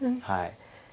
はい。